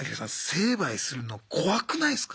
成敗するの怖くないすか。